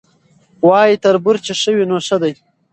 وایي تربور چي ښه وي نو ښه دی